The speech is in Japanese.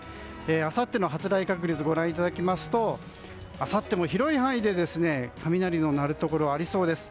あさっての発雷確率ご覧いただきますとあさっても広い範囲で雷のなるところがありそうです。